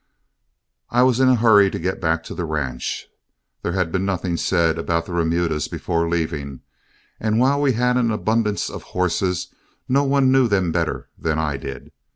I was in a hurry to get back to the ranch. There had been nothing said about the remudas before leaving, and while we had an abundance of horses, no one knew them better than I did.